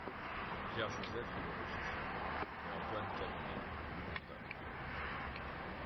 Pierre Joseph est le régisseur et Antoine Cavenaile le comptable.